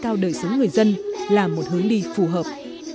nâng cao đời sống người dân là một hướng đi phù hợp